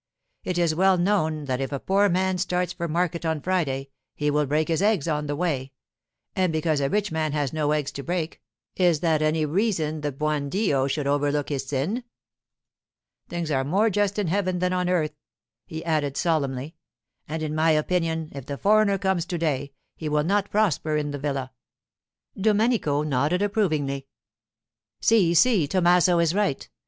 It is well known that if a poor man starts for market on Friday, he will break his eggs on the way; and because a rich man has no eggs to break, is that any reason the buon Dio should overlook his sin? Things are more just in heaven than on earth,' he added solemnly; 'and in my opinion, if the foreigner comes to day, he will not prosper in the villa.' Domenico nodded approvingly. 'Si, si, Tommaso is right.